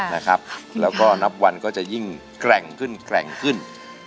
ค่ะขอบคุณค่ะแล้วก็นับวันก็จะยิ่งแกร่งขึ้นแกร่งขึ้น